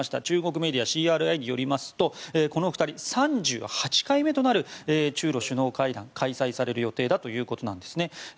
中国メディア、ＣＲＩによりますとこの２人３８回目となる中ロ首脳会談が開催される予定だということです